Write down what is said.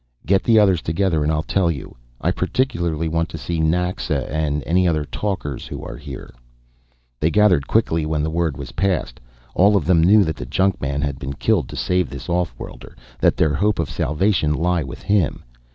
"Get the others together and I'll tell you. I particularly want to see Naxa and any other talkers who are here." They gathered quickly when the word was passed. All of them knew that the junkman had been killed to save this off worlder, that their hope of salvation lay with him.